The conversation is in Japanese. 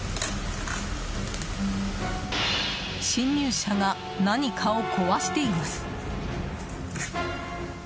侵入者が、何かを壊しています。